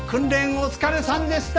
お疲れさんでした！